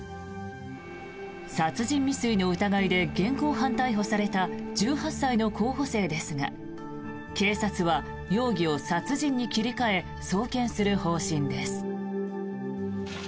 殺人未遂の疑いで現行犯逮捕された１８歳の候補生ですが警察は、容疑を殺人に切り替え送検する方針です。